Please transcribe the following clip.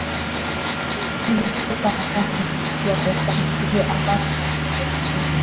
Ili kukupa nafasi ya kujua kwa undani kile ambacho nakizungumzia